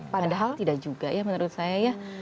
padahal tidak juga ya menurut saya ya